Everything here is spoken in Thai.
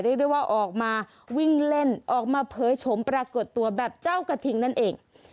เรียกได้ว่าออกมาวิ่งเล่นออกมาเผยโฉมปรากฏตัวแบบเจ้ากระทิงนั่นเอง